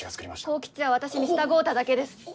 幸吉は私に従うただけです。